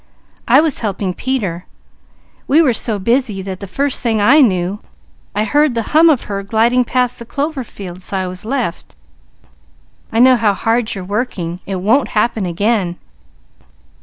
I was helping Peter; we were so busy that the first thing I knew I heard the hum of her gliding past the clover field, so I was left. I know how hard you're working. It won't happen again."